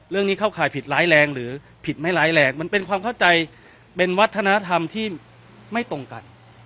เข้าข่ายผิดร้ายแรงหรือผิดไม่ร้ายแรงมันเป็นความเข้าใจเป็นวัฒนธรรมที่ไม่ตรงกัน